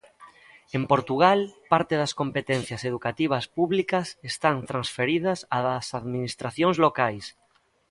En Portugal parte das competencias educativas públicas están transferidas ás administracións locais.